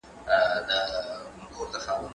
کېدای سي تکړښت ستړی وي،